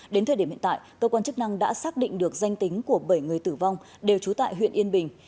đến thời điểm hiện tại cơ quan chức năng đã xác định được danh tính của bảy người tử vong đều trú tại huyện yên bình